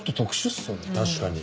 確かに。